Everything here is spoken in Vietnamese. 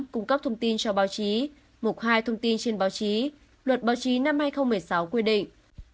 cung cấp thông tin cho báo chí một hai thông tin trên báo chí luật báo chí năm hai nghìn một mươi sáu quy định